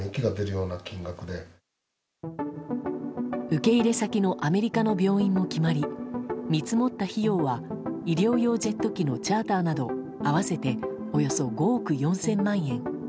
受け入れ先のアメリカの病院も決まり見積もった費用は医療用ジェット機のチャーターなど合わせておよそ５億４０００万円。